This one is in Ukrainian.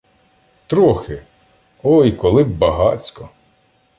Трохи!.. Ой, коли б багацько!